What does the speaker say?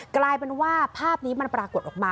กลายเป็นว่าภาพนี้มันปรากฏออกมา